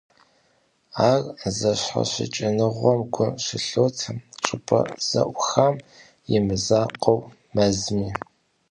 А зэщхьэщыкӀыныгъэм гу щылъотэ щӀыпӀэ зэӀухам и мызакъуэу, мэзми.